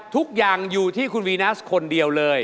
ทุกอย่างอยู่ที่คุณวีนัสคนเดียวเลย